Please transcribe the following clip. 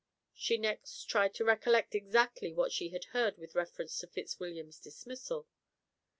She next tried to recollect exactly what she had heard with reference to Fitzwilliam's dismissal.